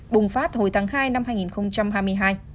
bùng phát hồi tháng hai năm hai nghìn hai mươi hai